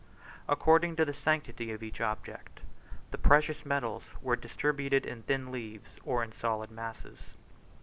According to the sanctity of each object, the precious metals were distributed in thin leaves or in solid masses.